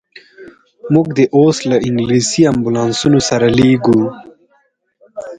موږ دي اوس له انګلیسي امبولانسونو سره لېږو.